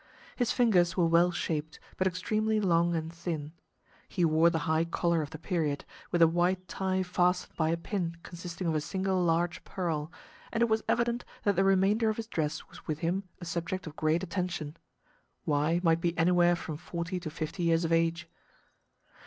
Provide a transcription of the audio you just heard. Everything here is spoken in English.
His fingers were well shaped, but extremely long and thin. He wore the high collar of the period, with a white tie fastened by a pin consisting of a single large pearl, and it was evident that the remainder of his dress was with him a subject of great attention. Y might be anywhere from forty to fifty years of age.